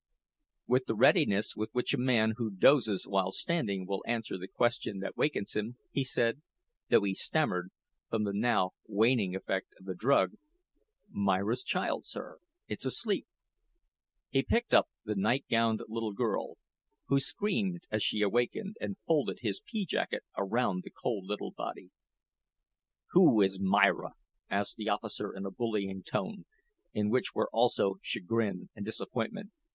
With the readiness with which a man who dozes while standing will answer the question that wakens him, he said though he stammered from the now waning effect of the drug: "Myra's child, sir; it's asleep." He picked up the night gowned little girl, who screamed as she wakened, and folded his pea jacket around the cold little body. "Who is Myra?" asked the officer in a bullying tone, in which were also chagrin and disappointment.